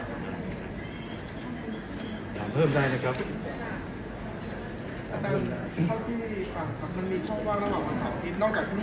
อาจารย์เพราะที่มันมีช่วงว่าระหว่างปัญหาผิด